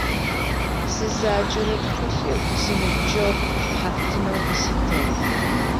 Сызаджэрэ тхылъыр синыбджэгъу шӀухьафтынэу къыситыгъ.